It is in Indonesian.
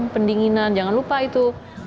pendinginan jangan lupa itu